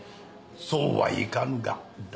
そうはいかんがだ。